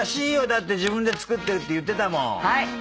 だって自分で作ってるって言ってたもん。